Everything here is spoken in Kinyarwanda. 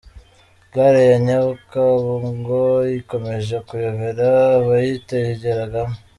Gare ya Nyakabungo ikomeje kuyobera abayitegeramo